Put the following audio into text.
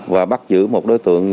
và bắt giữ một đối tượng